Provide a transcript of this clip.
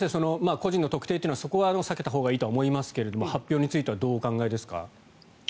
個人の特定というのはそこは避けたほうがいいとは思いますが発表についてはどうお考えですか？